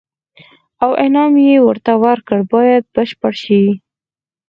او انعام یې ورته ورکړ باید بشپړ شي.